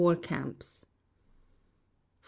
Camps. 4.